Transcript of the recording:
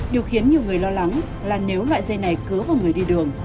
điều khiến nhiều người lo lắng là nếu loại dây này cứa vào người đi đường